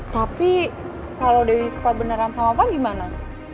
tapi kalo dewi suka beneran sama opa gimana